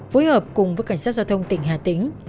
phối hợp cùng với cảnh sát giao thông tỉnh hà tĩnh